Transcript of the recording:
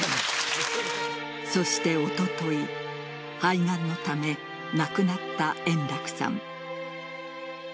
そしておととい、肺がんのため亡くなった円楽さん。